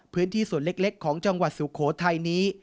พื้นที่ส่วนเล็กของจังหวัดสุโขทัยนี้